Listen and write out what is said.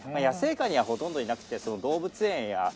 野生下にはほとんどいなくて動物園や。